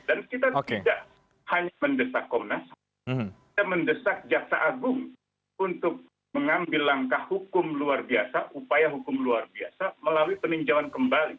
dan kita tidak hanya mendesak komnas ham kita mendesak jaksa agung untuk mengambil langkah hukum luar biasa upaya hukum luar biasa melalui peninjauan kembali